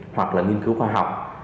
hoặc là nghiên cứu khoa học